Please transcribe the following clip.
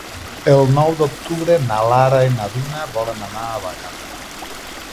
El nou d'octubre na Lara i na Duna volen anar a Vallada.